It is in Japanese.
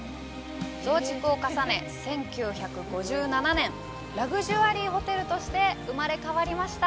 増築を重ね、１９５７年ラグジュアリーホテルとして生まれ変わりました。